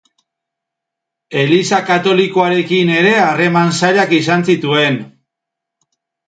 Eliza katolikoarekin ere harreman zailak izan zituen.